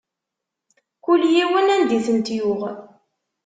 Kul yiwen, anda i tent-yuɣ.